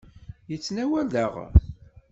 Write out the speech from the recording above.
Yettnawal daɣen?